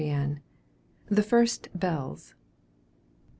ANNETTE. THE FIRST BELLS.